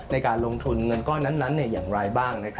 ในการลงทุนเงินก้อนนั้นอย่างไรบ้าง